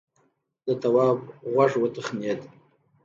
د تواب غوږ وتخڼېد.